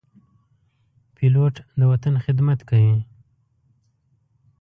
پیلوټ د وطن خدمت کوي.